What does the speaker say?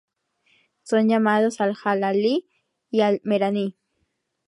Son llamados Al-jalalee y Al-meerani.